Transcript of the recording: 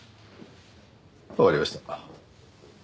わかりました。